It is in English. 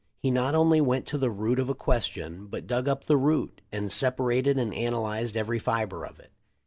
He not only went to the root of a question, but dug up the root, and separated and analyzed every fibre of it.